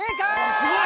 すごい！